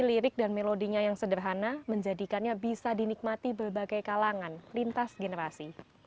lirik dan melodinya yang sederhana menjadikannya bisa dinikmati berbagai kalangan lintas generasi